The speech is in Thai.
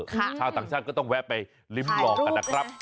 ชาวต่างชาติก็ต้องแวะไปลิ้มลองกันนะครับ